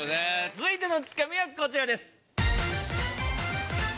続いてのツカミはこちらです。